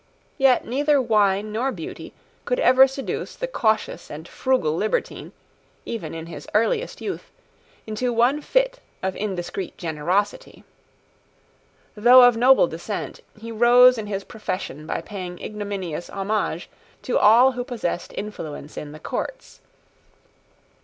Yet neither wine nor beauty could ever seduce the cautious and frugal libertine, even in his earliest youth, into one fit of indiscreet generosity. Though of noble descent, he rose in his profession by paying ignominious homage to all who possessed influence in the courts.